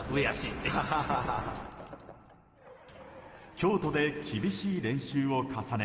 京都で厳しい練習を重ね